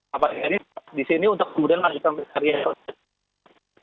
kapal ini disini untuk kemudian langsung pencarian